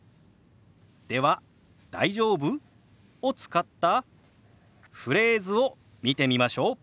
では「大丈夫？」を使ったフレーズを見てみましょう。